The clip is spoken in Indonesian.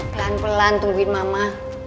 pelan pelan tungguin mama